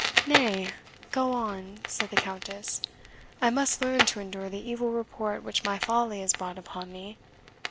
"Nay, go on," said the Countess; "I must learn to endure the evil report which my folly has brought upon me.